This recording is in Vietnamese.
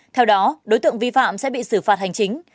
theo đó đối tượng vi phạm sẽ bị xử phạt hành chính